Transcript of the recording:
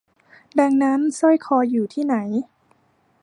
ดังนั้นสร้อยคออยู่ที่ไหน